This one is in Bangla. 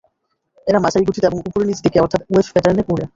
এরা মাঝারি গতিতে এবং ওপর-নীচ দিকে অর্থাৎ ওয়েভ প্যাটার্ন এ ওড়ে।